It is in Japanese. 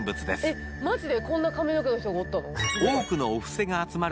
えっマジでこんな髪の毛の人がおったの？